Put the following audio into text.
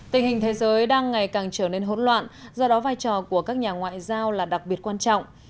tình hình thế giới đang ngày càng trở nên hỗn loạn do đó vai trò của các nhà ngoại giao là đặc biệt quan trọng